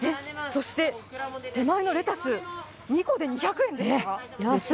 そして手前のレタス、２個で２００円ですか？